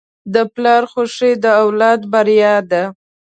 د پلار خوښي د اولاد بریا ده.